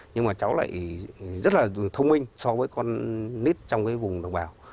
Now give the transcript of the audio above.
nhưng mà cháu lại rất là thông minh so với con nít trong vùng đồng bào